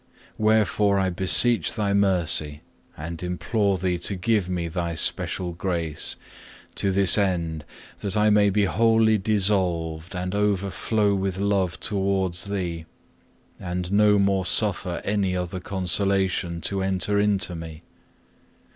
Wherefore I beseech Thy mercy, and implore Thee to give me Thy special grace, to this end, that I may be wholly dissolved and overflow with love towards Thee, and no more suffer any other consolation to enter into me.